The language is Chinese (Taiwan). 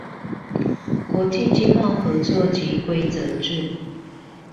國際經貿合作及規則制定